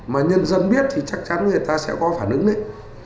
mà nhân dân biết thì chắc chắn người ta sẽ có phản ứng đấy